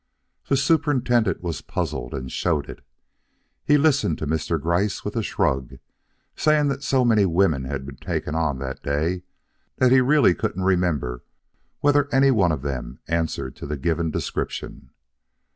The superintendent was puzzled and showed it. He listened to Mr. Gryce with a shrug, saying that so many women had been taken on that day, that he really couldn't remember whether any one of them answered to the given description.